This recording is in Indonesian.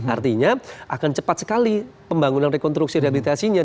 artinya akan cepat sekali pembangunan rekonstruksi rehabilitasinya